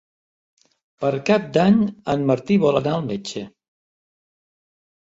Per Cap d'Any en Martí vol anar al metge.